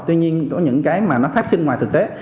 tuy nhiên có những cái mà nó phát sinh ngoài thực tế